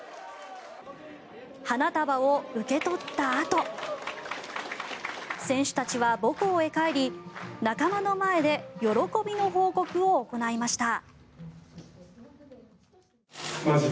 花束を受け取ったあと選手たちは母校へ帰り仲間の前で喜びの報告を行いました。